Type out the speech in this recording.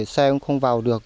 xe cũng không vào được